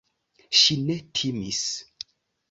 Ŝi ne timis.